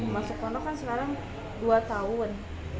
masuk pondok kan sekarang dua tahun